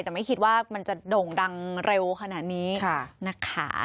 แต่ไม่คิดว่ามันจะโด่งดังเร็วขนาดนี้นะคะ